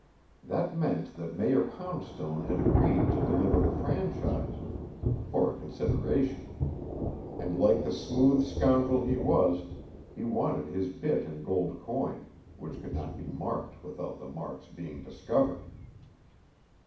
That meant that Mayor Poundstone had agreed to deliver the franchise for a consideration; and like the smooth scoundrel he was, he wanted his bit in gold coin, which could not be marked without the marks being discovered!